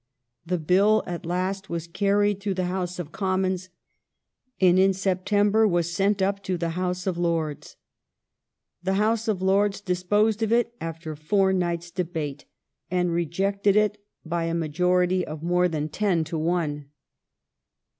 The Bill at last was carried through the House of Commons, and in September was sent up to the House of Lords. The House of Lords disposed of it after four nights' debate, and rejected it by a majority of THE LONG DAY^S TASK IS DONE" 383 more than ten to one.